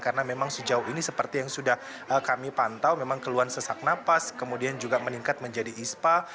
karena memang sejauh ini seperti yang sudah kami pantau memang keluhan sesak napas kemudian juga meningkat menjadi ispa